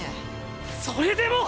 それでも！